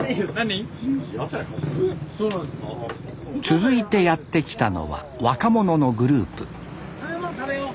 続いてやって来たのは若者のグループ食べもん食べよ。